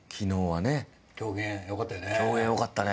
狂言良かったね。